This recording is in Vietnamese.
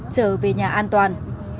trở về nhà an toàn